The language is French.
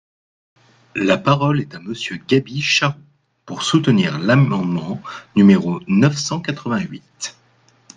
La parole est à Monsieur Gaby Charroux, pour soutenir l’amendement numéro neuf cent quatre-vingt-huit.